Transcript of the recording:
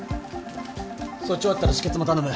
そっち終わったら止血も頼む。